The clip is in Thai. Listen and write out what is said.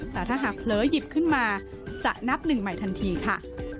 แต่ถ้าหากเผลอหยิบขึ้นมาจะนับหนึ่งใหม่ทันทีค่ะ